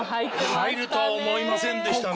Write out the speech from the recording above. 入るとは思いませんでしたね。